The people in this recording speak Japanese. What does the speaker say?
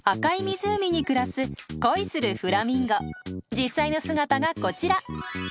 実際の姿がこちら。